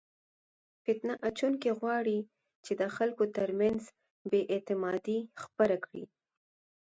فتنه اچونکي غواړي چې د خلکو ترمنځ بې اعتمادي خپره کړي.